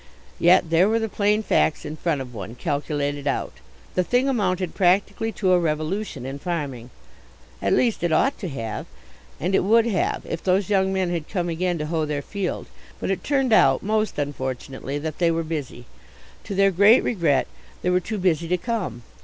Yet there were the plain facts in front of one, calculated out. The thing amounted practically to a revolution in farming. At least it ought to have. And it would have if those young men had come again to hoe their field. But it turned out, most unfortunately, that they were busy. To their great regret they were too busy to come.